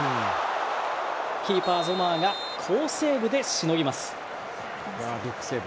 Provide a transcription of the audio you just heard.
キーパー、ゾマーが好セーブでしのぎます。